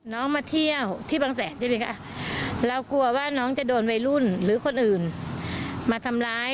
มาเที่ยวที่บางแสนใช่ไหมคะเรากลัวว่าน้องจะโดนวัยรุ่นหรือคนอื่นมาทำร้าย